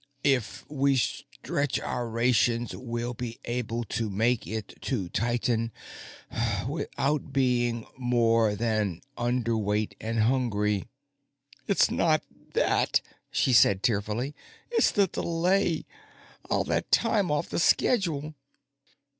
If we stretch our rations, we'll be able to make it to Titan without being more than underweight and hungry." "It's not that," she said tearfully, "it's the delay. All that time off the schedule."